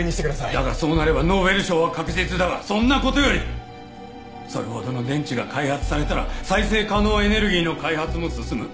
だがそうなればノーベル賞は確実だがそんな事よりそれほどの電池が開発されたら再生可能エネルギーの開発も進む。